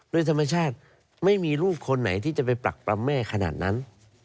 โดยธรรมชาติไม่มีลูกคนไหนที่จะไปปรักปรำแม่ขนาดนั้น